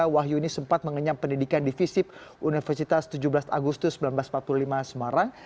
wahyu ini sempat mengenyam pendidikan di visip universitas tujuh belas agustus seribu sembilan ratus empat puluh lima semarang